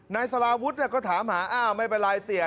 นายสาราวุฒิก็ถามหาอ้าวไม่เป็นไรเสีย